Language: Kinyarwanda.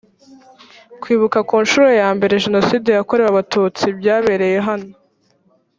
kwibuka ku nshuro yambere jenoside yakorewe abatutsi byabereye hano